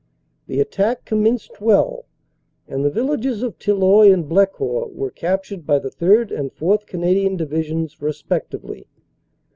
The attack commenced well, and the vil lages of Tilloy and Blecourt were captured by the 3rd. and 4th. Canadian Divisions respectively.